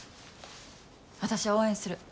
私は応援する。